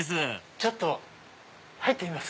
ちょっと入ってみます。